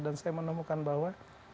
dan saya menemukan bahwa